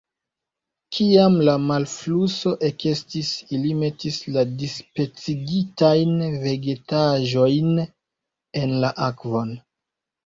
Kiam la malfluso ekestis, ili metis la dispecigitajn vegetaĵojn en la akvon.